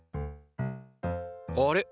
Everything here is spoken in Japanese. あれ？